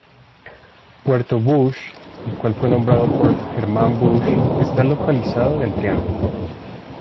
Puerto Busch, el cual fue nombrado por Germán Busch, está localizado en el triángulo.